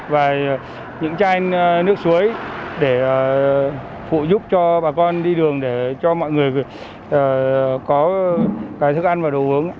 và những chai nước suối để phụ giúp cho bà con đi đường để cho mọi người có cái thức ăn và đồ uống